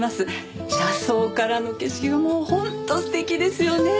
車窓からの景色がもう本当素敵ですよね。